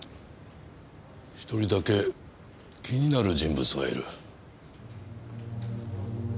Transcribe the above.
一人だけ気になる人物がいる。